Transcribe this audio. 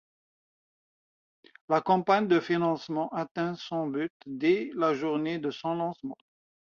La campagne de financement atteint son but dès la journée de son lancement.